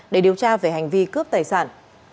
để điều tra về hành vi cướp tài sản